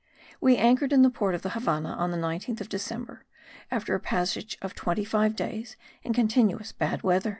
We anchored in the port of the Havannah on the 19th December after a passage of twenty five days in continuous bad weather.